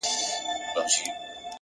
ستر بدلونونه له کوچنیو انتخابونو زېږي!.